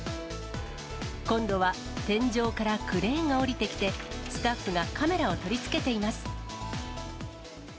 今度は天井からクレーンが下りてきて、スタッフがカメラを取り付けています。